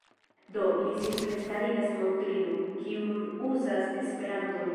Do, li simple starigas montrilon, kiu nur uzas Esperanton.